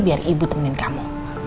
biar ibu temenin kamu